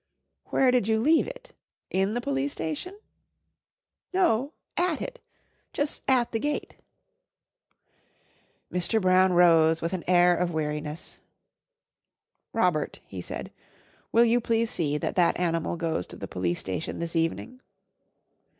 "Where did you leave it? In the Police Station?" "No at it jus' at the gate." Mr. Brown rose with an air of weariness. "Robert," he said, "will you please see that that animal goes to the Police Station this evening?"